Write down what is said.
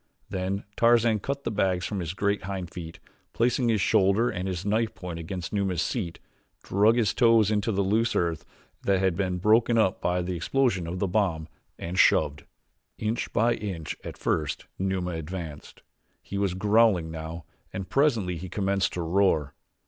Then Tarzan cut the bags from the great hind feet, placed his shoulder and his knife point against Numa's seat, dug his toes into the loose earth that had been broken up by the explosion of the bomb, and shoved. Inch by inch at first Numa advanced. He was growling now and presently he commenced to roar.